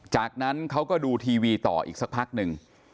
จากนั้นเขาก็ดูทีวีต่ออีกสักพักหนึ่ง